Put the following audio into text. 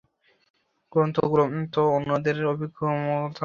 গ্রন্থগুলি তো অন্যের অভিজ্ঞতা মাত্র।